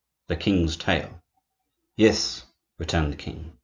THE KING'S TALE "Yes," returned the king.